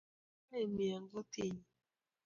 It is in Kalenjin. Choe che kibwaati raoni eng kitii nyii.